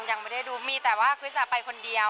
ยังไม่ได้ดูมีแต่ว่าคริสไปคนเดียว